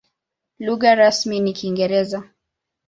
Lugha rasmi ni Kiingereza.